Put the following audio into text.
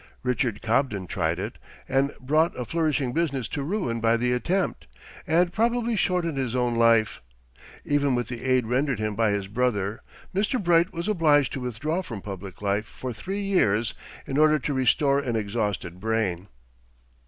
Richard Cobden tried it, and brought a flourishing business to ruin by the attempt, and probably shortened his own life. Even with the aid rendered him by his brother, Mr. Bright was obliged to withdraw from public life for three years in order to restore an exhausted brain.